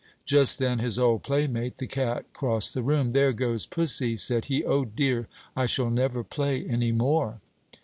Just then his old playmate, the cat, crossed the room. "There goes pussy," said he; "O, dear! I shall never play any more."